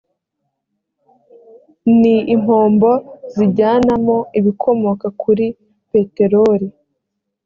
ni impombo zijyanamo ibikomoka kuri peteroli